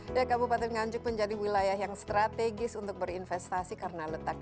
ya kabupaten nganjuk menjadi wilayah yang strategis untuk berinvestasi karena letak